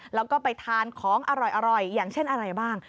แล้วก็ไปทานของอร่อยอย่างเช่นอะไรบ้าง